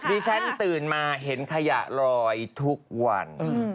ฉันตื่นมาเห็นขยะลอยทุกวัน